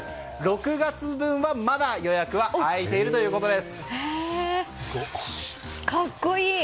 ６月分は、まだ予約は空いているということです。